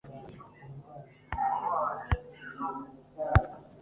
Nibihe Byinshi Kurwego Rukuru rwa Euro Icyitonderwa